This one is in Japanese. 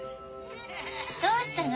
どうしたの？